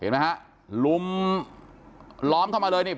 เห็นไหมครับล้อมเข้ามาเลย